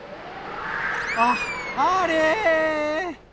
あっあれ。